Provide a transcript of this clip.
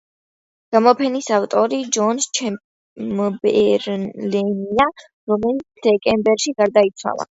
გამოფენის ავტორი ჯონ ჩემბერლენია, რომელიც დეკემბერში გარდაიცვალა.